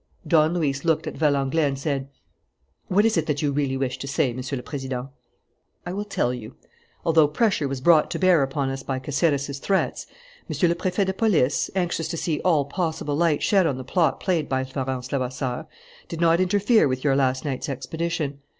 Don Luis looked at Valenglay and said: "What is it that you really wish to say, Monsieur le Président?" "I will tell you. Although pressure was brought to bear upon us by Caceres's threats, Monsieur le Préfet de Police, anxious to see all possible light shed on the plot played by Florence Levasseur, did not interfere with your last night's expedition.